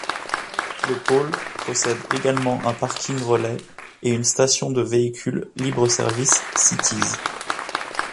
Le pôle possède également un Parking Relais et une station de véhicule libre-service Citiz.